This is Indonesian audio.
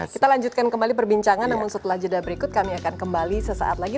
kita lanjutkan kembali perbincangan namun setelah jeda berikut kami akan kembali sesaat lagi